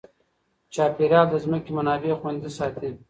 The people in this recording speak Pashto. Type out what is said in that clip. چاپیریال د ځمکې منابع خوندي ساتي.